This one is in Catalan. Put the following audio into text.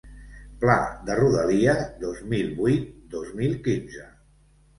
Pla de rodalia dos mil vuit-dos mil quinze.